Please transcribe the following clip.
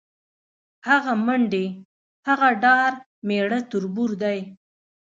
هغه منډې، هغه ډار میړه تربور دی